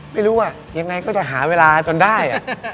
ไม่รู้ว่ายังไงก็จะหาเวลาจนได้